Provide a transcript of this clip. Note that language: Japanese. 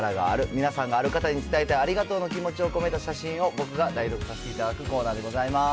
皆さんがある方に伝えたいありがとうの気持ちを込めた写真を、僕が代読させていただくコーナーでございます。